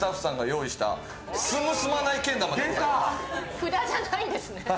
札じゃないんですね。